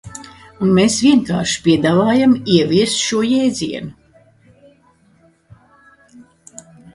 Un mēs vienkārši piedāvājam ieviest šo jēdzienu.